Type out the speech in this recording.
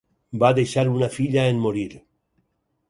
Va deixar una filla en morir.